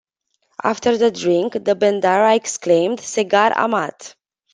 After the drink, the Bendahara exclaimed, Segar amat!